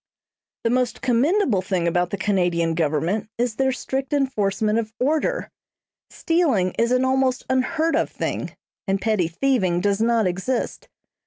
The most commendable thing about the Canadian Government is their strict enforcement of order. Stealing is an almost unheard of thing, and petty thieving does not exist.